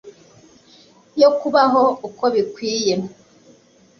yo kubaho uko bikwiye